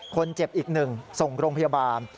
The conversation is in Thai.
คนเจ็บอีก๑ส่งโรงพยาบาล